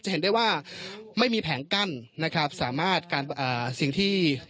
เห็นได้ว่าไม่มีแผงกั้นนะครับสามารถการอ่าสิ่งที่